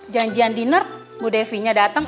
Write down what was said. janjian dinner bu devi nya datang